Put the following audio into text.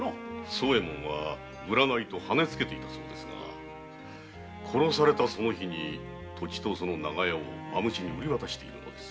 惣右衛門は「売らない」とはねつけたそうですが殺されたその日に土地と長屋を蝮に売り渡しているのです。